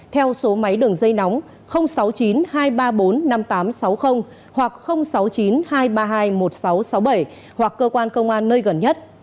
theo số máy đường dây nóng sáu mươi chín hai trăm ba mươi bốn năm nghìn tám trăm sáu mươi hoặc sáu mươi chín hai trăm ba mươi hai một nghìn sáu trăm sáu mươi bảy hoặc cơ quan công an nơi gần nhất